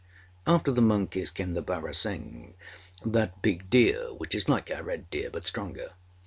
After the monkeys came the barasingh, that big deer which is like our red deer, but stronger.